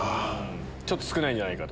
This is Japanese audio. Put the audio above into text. ちょっと少ないんじゃないかと。